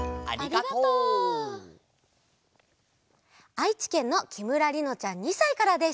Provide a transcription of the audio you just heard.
あいちけんのきむらりのちゃん２さいからです。